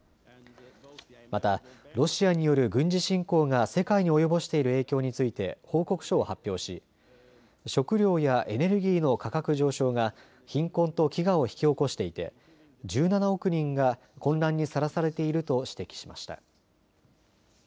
また、ロシアによる軍事侵攻が世界に及ぼしている影響について報告書を発表し食料やエネルギーの価格上昇が貧困と飢餓を引き起こしていて１７億人が混乱にさらされていると指摘しました。